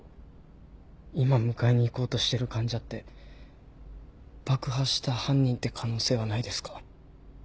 今迎えに行こうとしてる患者って爆破した犯人って可能性はないですか？